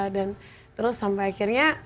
dan terus sampai akhirnya